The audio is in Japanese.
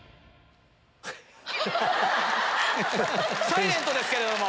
サイレントですけれども。